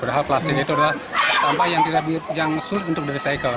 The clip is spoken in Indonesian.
padahal plastik itu adalah sampah yang sulit untuk direcycle